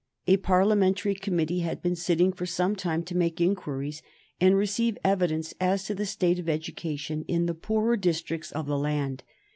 A parliamentary committee had been sitting for some time to make inquiries and receive evidence as to the state of education in the poorer districts of the land.